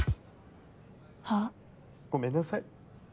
は？ごめんなさい。